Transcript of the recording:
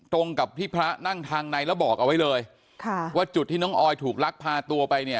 ตรงกับที่พระนั่งทางในแล้วบอกเอาไว้เลยค่ะว่าจุดที่น้องออยถูกลักพาตัวไปเนี่ย